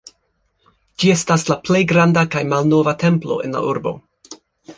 Ĝi estas la plej granda kaj malnova templo en la urbo.